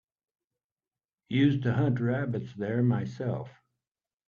Used to hunt rabbits there myself.